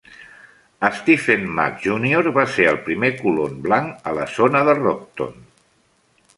Stephen Mack, Junior va ser el primer colon blanc a la zona de Rockton.